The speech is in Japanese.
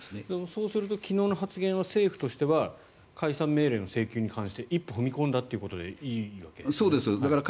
そうすると昨日の発言は政府としては解散命令の請求に関して一歩踏み込んだということでいいんですかね。